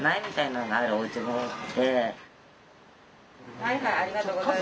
はいはいありがとうございます。